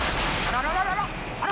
あら？